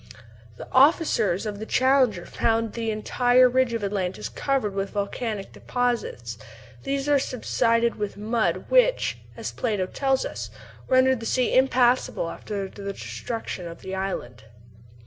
The officers of the Challenger found the entire ridge of Atlantis covered with volcanic deposits; these are the subsided mud which, as Plato tells us, rendered the sea impassable after the destruction of the island.